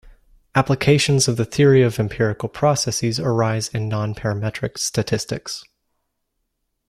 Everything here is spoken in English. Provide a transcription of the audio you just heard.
Applications of the theory of empirical processes arise in non-parametric statistics.